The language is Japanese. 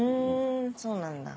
そうなんだ。